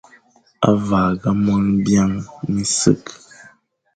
À vagha mon byañ, minsekh.